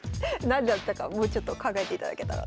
何だったかもうちょっと考えていただけたら。